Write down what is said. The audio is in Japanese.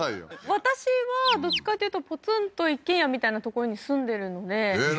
私はどっちかというとポツンと一軒家みたいな所に住んでるのでええー？